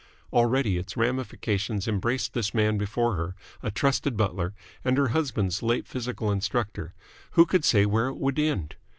Already its ramifications embraced this man before her, a trusted butler, and her husband's late physical instructor. Who could say where it would end?